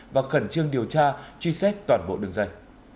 và khẩn trương điều tra truy xét toàn bộ đường dây